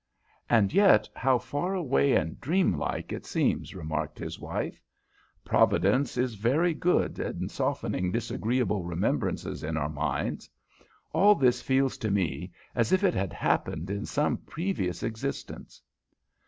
"And yet how far away and dream like it all seems!" remarked his wife. "Providence is very good in softening disagreeable remembrances in our minds. All this feels to me as if it had happened in some previous existence."